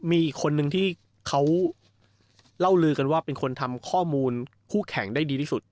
มีอีกคนนึงที่เขาเล่าลือกันว่าเป็นคนทำข้อมูลคู่แข่งได้ดีที่สุด